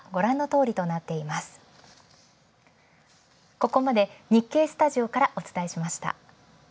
ここまで日経スタジオからお伝えしました。